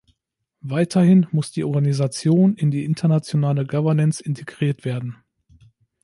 Weiterhin muss die Organisation in die internationale Governance integriert werden.